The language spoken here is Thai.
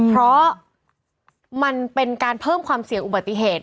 เพราะมันเป็นการเพิ่มความเสี่ยงอุบัติเหตุ